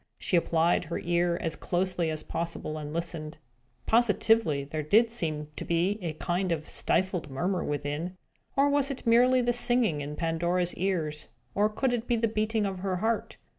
She applied her ear as closely as possible, and listened. Positively, there did seem to be a kind of stifled murmur within! Or was it merely the singing in Pandora's ears? Or could it be the beating of her heart?